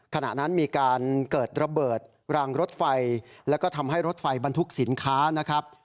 ขณะนั้นมีการเกิดระเบิดรางรถไฟแล้วก็ทำให้รถไฟบรรทุกสินค้านะครับ